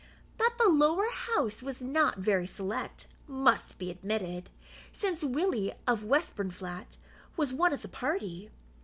That the lower house was not very select must be admitted, since Willie of Westburnflat was one of the party.